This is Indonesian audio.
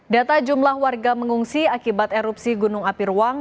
data jumlah warga mengungsi akibat erupsi gunung api ruang